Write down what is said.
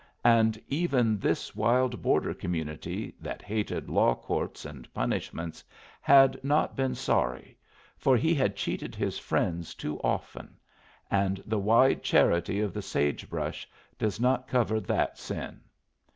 And even this wild border community that hated law courts and punishments had not been sorry, for he had cheated his friends too often, and the wide charity of the sage brush does not cover that sin.